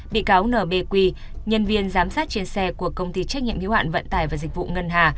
bị cáo nbq nhân viên giám sát trên xe của công ty trách nhiệm hiếu hạn vận tải và dịch vụ ngân hà